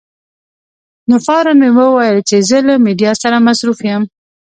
نو فوراً مې وویل چې زه له میډیا سره مصروف یم.